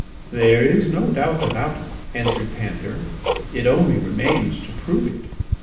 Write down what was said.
"There is no doubt about it," answered Panther; "it only remains to prove it."